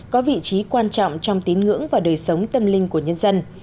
có vị trí quan trọng trong tín ngưỡng và đời sống tâm linh của nhân dân